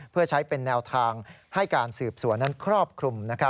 เพื่อใช้เป็นแนวทางให้การสืบสวนนั้นครอบคลุม